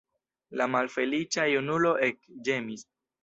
La malfeliĉa junulo ekĝemis.